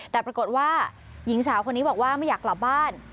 แต่ปรากฏว่าหญิงสาวคนนี้บอกว่าไม่อยากกลับบ้าน